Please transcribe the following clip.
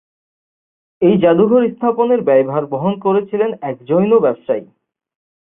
এই জাদুঘর স্থাপনের ব্যয়ভার বহন করেছিলেন এক জৈন ব্যবসায়ী।